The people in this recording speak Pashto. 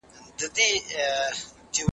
د علم په حصول کي نجلۍ او هلک دواړه يو حکم لري.